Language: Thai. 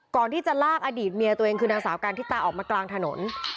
ก่อนที่จะลากอดีตเมียตัวเองคือนางสาวกันทิตาออกมากลางถนน